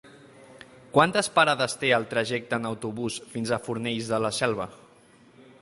Quantes parades té el trajecte en autobús fins a Fornells de la Selva?